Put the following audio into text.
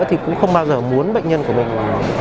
thì cũng không bao giờ muốn bệnh nhân của mình